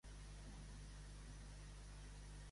Com prendre venjança ella?